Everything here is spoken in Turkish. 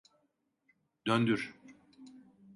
Döndür!